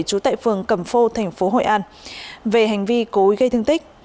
trú tại phường cầm phô tp hội an về hành vi cố ý gây thương tích